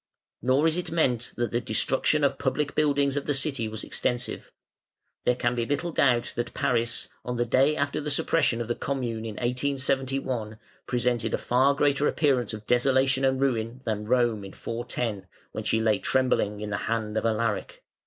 Nor is it meant that the destruction of the public buildings of the city was extensive. There can be little doubt that Paris, on the day after the suppression of the "Commune" in 1871, presented a far greater appearance of desolation and ruin than Rome in 410, when she lay trembling in the hand of Alaric.